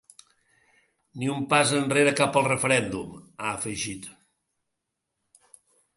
Ni un pas enrere cap al referèndum, ha afegit.